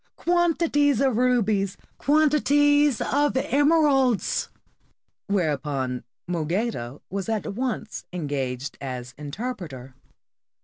quantities of rubies, quantities of emeralds!" Whereupon, Mougaida was at once engaged as inter preter.